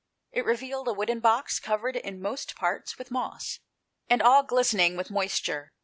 It revealed a wooden box, covered in most parts with moss, and all glistening with moisture.